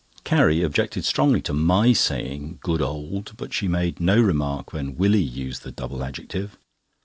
Carrie objected strongly to my saying "Good old," but she made no remark when Willie used the double adjective.